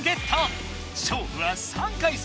勝負は３回戦。